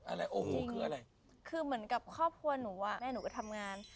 อะไรโอ้โหคืออะไรคือเหมือนกับครอบครัวหนูอ่ะแม่หนูก็ทำงาน